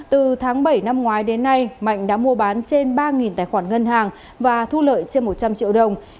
từ tháng bảy năm ngoái đến nay mạnh đã mua bán trên ba tài khoản ngân hàng và thu lợi trên một trăm linh triệu đồng